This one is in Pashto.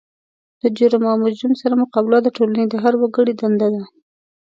د جرم او مجرم سره مقابله د ټولنې د هر وګړي دنده ده.